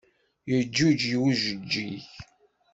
Yeǧǧuǧeg ujeǧǧig.